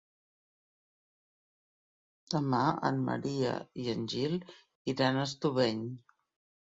Demà en Maria i en Gil iran a Estubeny.